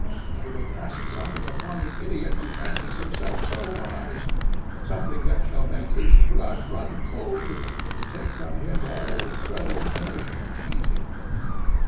I will fasten something upon the ideot who fancies himself so wise, something that shall make his blood run cold, and take from him all farther inclination of teazing me."